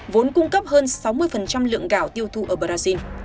vốn cung cấp hơn sáu mươi lượng gạo tiêu thụ ở brazil